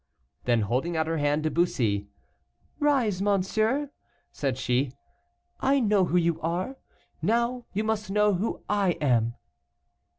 Then holding out her hand to Bussy. "Rise, monsieur," said she, "I know who you are, now you must know who I am."